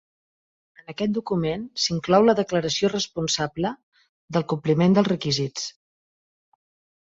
En aquest document s'inclou la declaració responsable del compliment dels requisits.